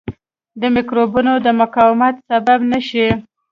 د مکروبونو د مقاومت سبب نه شي.